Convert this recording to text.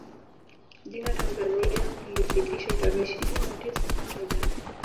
Jina Tanzania lilipitishwa tarehe ishirini na tisa Oktoba